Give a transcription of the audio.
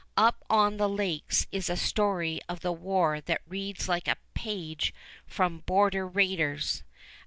Up on the lakes is a story of the war that reads like a page from border raiders.